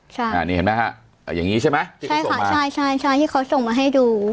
ใช่อ่านี่เห็นไหมฮะอย่างงี้ใช่ไหมใช่ค่ะที่เขาส่งมาใช่ใช่ใช่ที่เขาส่งมาให้ดู